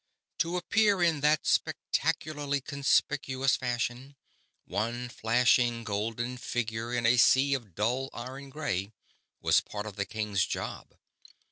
To appear in that spectacularly conspicuous fashion, one flashing golden figure in a sea of dull iron gray, was part of the king's job.